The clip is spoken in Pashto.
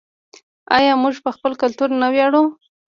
آیا موږ په خپل کلتور نه ویاړو؟